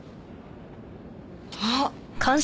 あっ。